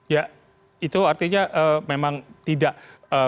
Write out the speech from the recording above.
ya itu artinya memang tidak ada perubahan